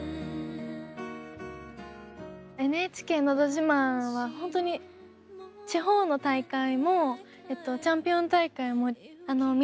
「ＮＨＫのど自慢」はホントに地方の大会もチャンピオン大会も。